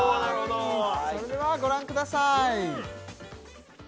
それではご覧ください